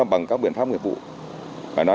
bằng các biện pháp nghiệp vụ